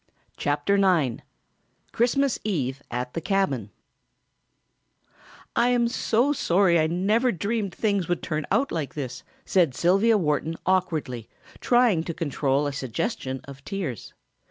CHAPTER IX Christmas Eve at the Cabin "I am so sorry, I never dreamed things would turn out like this," said Sylvia Wharton awkwardly, trying to control a suggestion of tears.